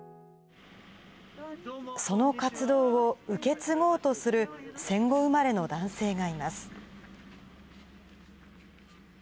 その活動を受け継ごうとする、戦後生まれの男性がいます。